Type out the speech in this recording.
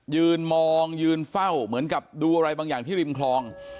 ยืนมองยืนเฝ้าเหมือนกับดูอะไรบางอย่างที่ริมคลอง